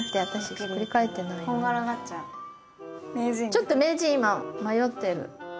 ちょっと名人今迷ってる。